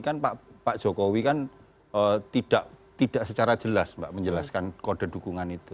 kan pak jokowi kan tidak secara jelas mbak menjelaskan kode dukungan itu